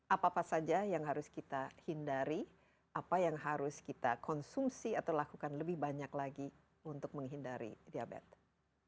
apa apa saja yang harus kita hindari apa yang harus kita konsumsi atau lakukan lebih banyak lagi untuk menghindari diabetes